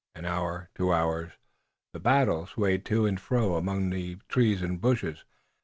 An hour, two hours, the battle swayed to and fro among the trees and bushes.